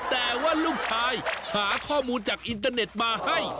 แต่ว่าลูกชายหาข้อมูลจากอินเตอร์เน็ตมาให้